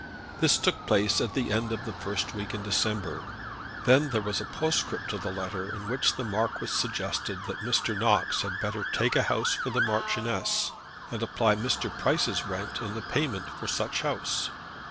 This took place at the end of the first week in December. Then there was a postscript to the letter in which the Marquis suggested that Mr. Knox had better take a house for the Marchioness, and apply Mr. Price's rent in the payment for such house.